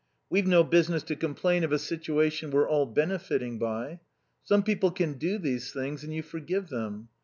We've no business to complain of a situation we're all benefitting by. Some people can do these things and you forgive them.